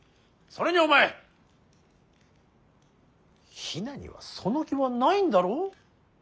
それにお前比奈にはその気はないんだろ。